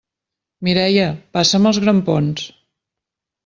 Mireia, passa'm els grampons!